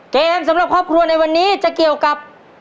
สำหรับครอบครัวในวันนี้จะเกี่ยวกับ